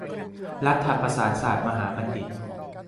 รัฐประศาสนศาสตรมหาบัณฑิต